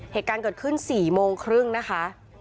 เหตุการณ์เกิดขึ้น๔โมงครึ่งนะคะ